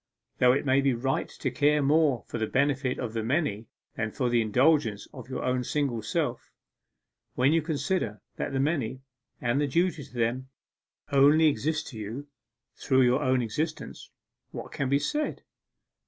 Though it may be right to care more for the benefit of the many than for the indulgence of your own single self, when you consider that the many, and duty to them, only exist to you through your own existence, what can be said?